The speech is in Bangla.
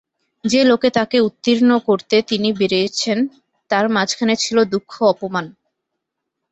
যে লোকে তাকে উত্তীর্ণ করতে তিনি বেরিয়েছিলেন, তার মাঝখানে ছিল দুঃখ-অপমান।